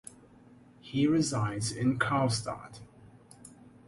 He resides in Karlstad.